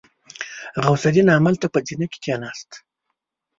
غوث الدين همالته په زينه کې کېناست.